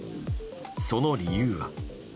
その理由は。